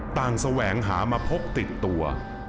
ต่างแสวงหามาพบติดตัว